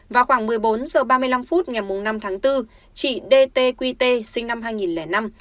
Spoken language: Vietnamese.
vào khoảng một mươi bốn h ba mươi năm phút ngày năm tháng bốn chị d t quy t sinh năm hai nghìn năm